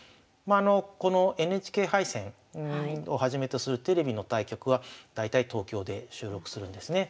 このＮＨＫ杯戦をはじめとするテレビの対局は大体東京で収録するんですね。